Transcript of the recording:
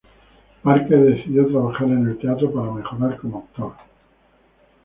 Parker decidió trabajar en el teatro para mejorar como actor.